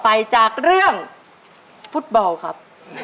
ไปจากเรื่องฟุตบอลครับ